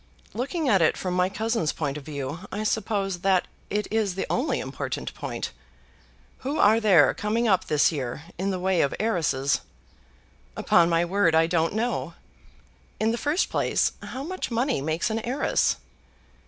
"Looking at it from my cousin's point of view, I suppose that it is the only important point. Who are there coming up this year, in the way of heiresses?" "Upon my word I don't know. In the first place, how much money makes an heiress?"